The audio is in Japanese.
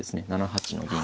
７八の銀